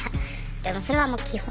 でもそれはもう基本？